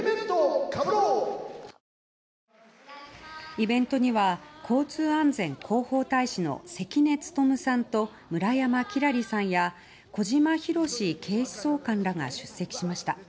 イベントには交通安全広報大使の関根勤さんと、村山輝星さんや小島裕史警視総監らが出席しました。